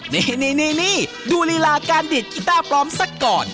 นี่ดูลีลาการดีดกีต้าปลอมสักก่อน